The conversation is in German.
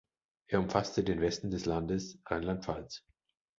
Er umfasste den Westen des Landes Rheinland-Pfalz.